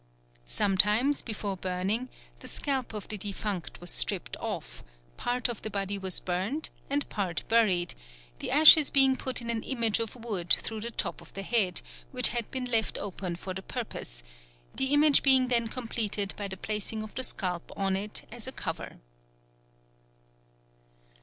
Sometimes, before burning, the scalp of the defunct was stripped off; part of the body was burnt and part buried, the ashes being put in an image of wood through the top of the head, which had been left open for the purpose, the image being then completed by the placing of the scalp on it as a cover.